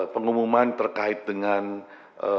pengumuman terkait dengan penerimaan pajak yang mungkin lebih rendah